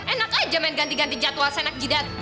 enak aja main ganti ganti jadwal senak jidat